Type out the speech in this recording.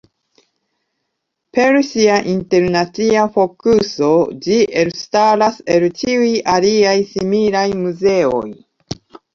Per sia internacia fokuso ĝi elstaras el ĉiuj aliaj similaj muzeoj.